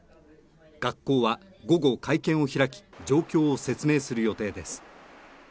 学校は午後会見を開き状況を説明する予定です